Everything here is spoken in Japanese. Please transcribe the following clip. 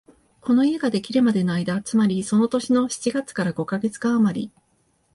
この家ができるまでの間、つまりその年の七月から五カ月間あまり、